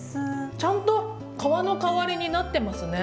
ちゃんと皮の代わりになってますね。